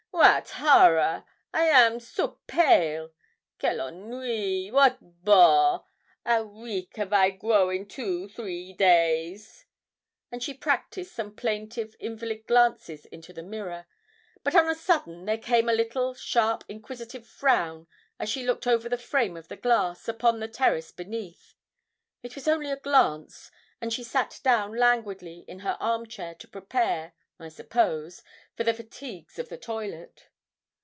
'Wat horror! I am so pale. Quel ennui! wat bore! Ow weak av I grow in two three days!' And she practised some plaintive, invalid glances into the mirror. But on a sudden there came a little sharp inquisitive frown as she looked over the frame of the glass, upon the terrace beneath. It was only a glance, and she sat down languidly in her arm chair to prepare, I suppose, for the fatigues of the toilet.